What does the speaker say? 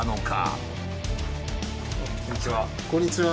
こんにちは。